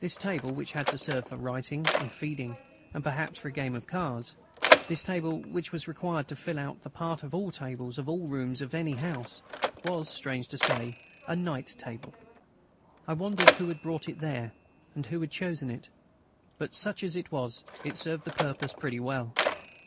This table, which had to serve for writing and feeding, and perhaps for a game of cards, this table, which was required to fill the part of all the tables of all the rooms of any house, was, strange to say, a night table. I wondered who had brought it there, and who had chosen it. But, such as it was, it served its purpose pretty well.